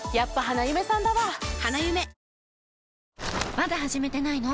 まだ始めてないの？